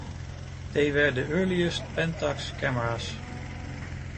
They were the earliest Pentax cameras.